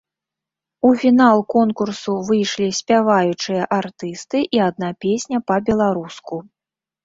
У фінал конкурсу выйшлі спяваючыя артысты і адна песня па-беларуску.